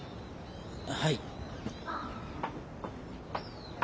はい。